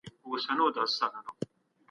موږ باید له خپلو شتمنیو سمه ګټه واخلو.